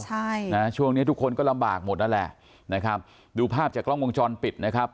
ใช่นะช่วงเนี้ยทุกคนก็ลำบากหมดนั่นแหละนะครับดูภาพจากกล้องวงจรปิดนะครับ